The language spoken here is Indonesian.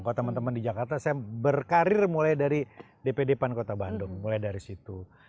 cuma di jakarta saya berkarir mulai dari dpd pan kota bandung mulai dari situ